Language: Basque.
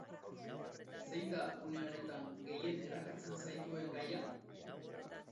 Zein da une honetan gehien erakartzen zaituen gaia?